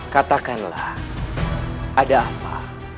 katakanlah ada apa